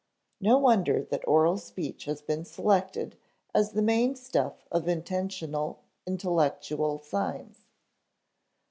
No wonder that oral speech has been selected as the main stuff of intentional intellectual signs.